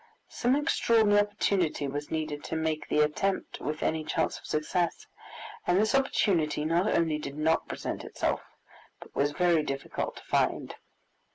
Some extraordinary opportunity was needed to make the attempt with any chance of success, and this opportunity not only did not present itself, but was very difficult to find.